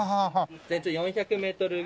全長４００メートルぐらいの。